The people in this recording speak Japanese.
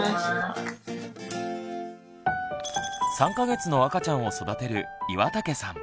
３か月の赤ちゃんを育てる岩竹さん。